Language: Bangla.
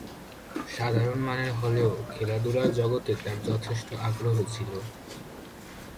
সাধারণমানের হলেও খেলাধূলার জগতে তার যথেষ্ট আগ্রহ ছিল।